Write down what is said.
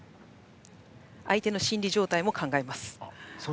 相手の心理状態も考えます。